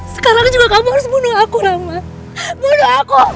sekarang juga kamu harus bunuh aku rahmat bunuh aku